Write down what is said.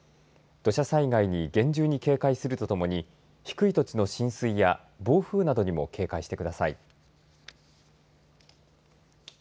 土砂災害に厳重に警戒するとともに低い土地の浸水や暴風などにも警戒してください。